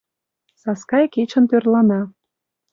Саскай кечын тӧрлана